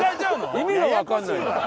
意味がわかんないわ。